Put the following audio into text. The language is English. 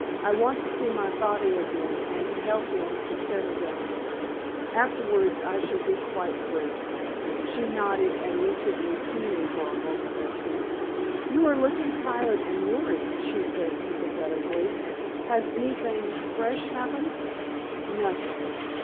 I want to see my father again and to help them to settle down there. Afterwards I shall be quite free." She nodded, and looked at me keenly for a moment or two. "You are looking tired and worried," she said, sympathetically. "Has anything fresh happened?" "Nothing."